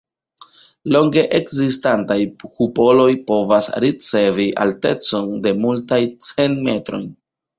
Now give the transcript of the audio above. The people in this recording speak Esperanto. Longe ekzistantaj kupoloj povas ricevi altecon de multaj cent metrojn.